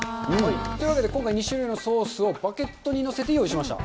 というわけで、今回、２種類のソースをバケットに載せて用意しました。